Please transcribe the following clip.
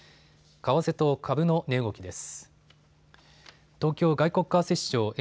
為替と株の値動きです。